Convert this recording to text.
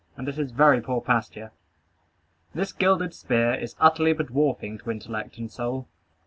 And it is very poor pasture! This gilded sphere is utterly bedwarfing to intellect and soul.